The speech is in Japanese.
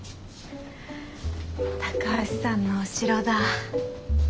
高橋さんのお城だ。